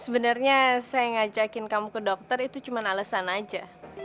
sebenarnya saya ngajakin kamu ke dokter itu cuma alasan aja